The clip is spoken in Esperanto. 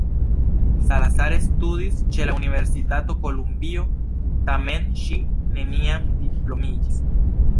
Salazar studis ĉe la Universitato Kolumbio tamen ŝi neniam diplomiĝis.